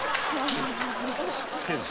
知ってんだ。